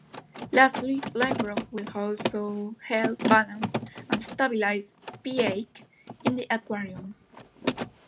Lastly, live rock will also help balance and stabilize pH in the aquarium.